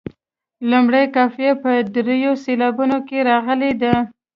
لومړۍ قافیه په دریو سېلابونو کې راغلې ده.